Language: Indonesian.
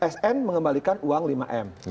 sn mengembalikan uang lima m